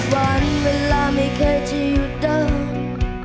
วันเวลามีแค่ที่อยู่เดิม